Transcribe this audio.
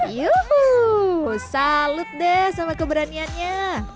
yuhuu salut deh sama keberaniannya